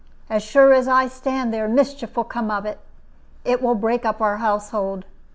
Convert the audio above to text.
As sure as I stand here, mischief will come of it. It will break up our household.